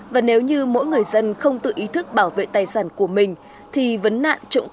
và cũng có một cái cảnh giác hơn